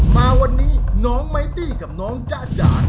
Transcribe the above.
มาวันนี้น้องไมตี้กับน้องจ๊ะจ๋า